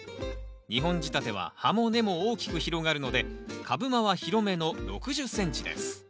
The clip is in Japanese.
２本仕立ては葉も根も大きく広がるので株間は広めの６０ｃｍです